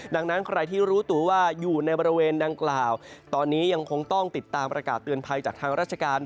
ดังนั้นใครที่รู้ตัวว่าอยู่ในบริเวณดังกล่าวตอนนี้ยังคงต้องติดตามประกาศเตือนภัยจากทางราชการ